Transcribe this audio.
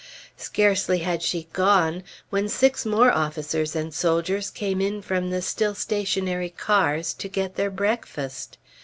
Scarcely had she gone when six more officers and soldiers came in from the still stationary cars to get their breakfast.